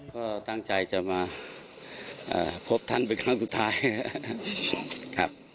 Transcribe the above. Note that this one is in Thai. ก็ตั้งใจจะมาพบท่านเป็นครั้งสุดท้ายนะครับ